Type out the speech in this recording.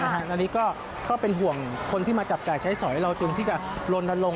อันนี้ก็เป็นห่วงคนที่มาจับจ่ายใช้สอยเราจึงที่จะลนลง